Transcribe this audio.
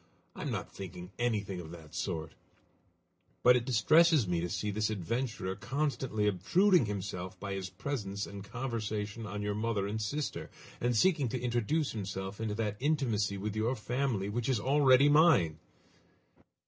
I am not thinking anything of that sort; but it distresses me to see this adventurer constantly obtruding himself by his presence and conversation on your mother and sister, and seeking to introduce himself into that intimacy with your family which is already mine."